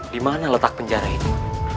di mana letak penjara itu